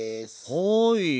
はい。